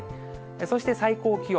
そして最高気温。